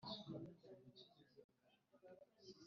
rwarasanaga mu nka za se: urwaniriye inka za se akazihagararamo